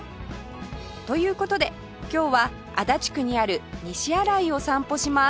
という事で今日は足立区にある西新井を散歩します